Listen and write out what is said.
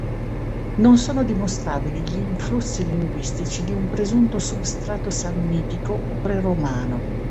Non sono dimostrabili gli influssi linguistici di un presunto substrato sannitico o pre-romano.